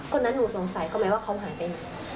คนนั้นหนูสงสัยก็ไม่ว่าเขาหายไปยังไง